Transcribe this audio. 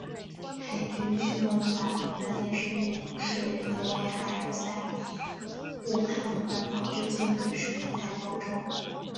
海军讯问法庭发现事件是因为海尔赛误判而导致舰队驶进台风中。